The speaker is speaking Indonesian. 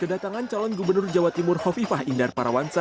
kedatangan salon gubernur jawa timur kofifa indar parawanso